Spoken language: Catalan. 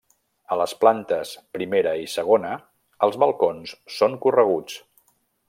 A les plantes primera i segona els balcons són correguts.